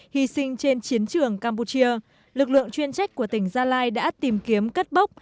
hy sinh trên chiến trường campuchia lực lượng chuyên trách của tỉnh gia lai đã tìm kiếm cất bốc